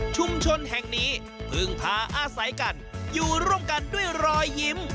ชุมชนแห่งนี้พึ่งพาอาศัยกันอยู่ร่วมกันด้วยรอยยิ้ม